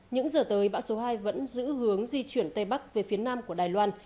những giờ tới bão số hai vẫn giữ hướng di chuyển tây bắc về phía nam của đài loan